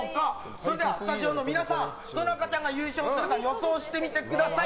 それではスタジオの皆さんどの赤ちゃんが優勝するか予想してみてください。